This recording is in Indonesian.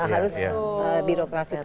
harus di doprasi